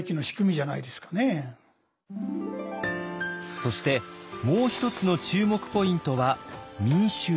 そしてもう一つの注目ポイントは民衆です。